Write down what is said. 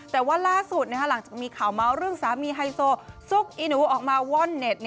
แต่ว่าล่าสุดหลังจากมีข่าวเมาส์เรื่องสามีไฮโซซุกอีหนูออกมาว่อนเน็ต